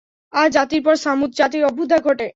আদ জাতির পর ছামূদ জাতির অভ্যুদয় ঘটে।